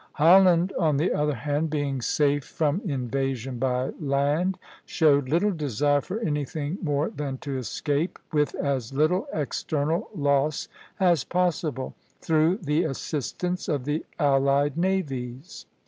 Holland, on the other hand, being safe from invasion by land, showed little desire for anything more than to escape with as little external loss as possible, through the assistance of the allied navies.